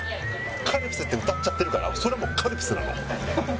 カルピスってうたっちゃってるからそれはもうカルピスなの。